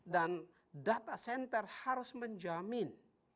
dan data center harus menjamin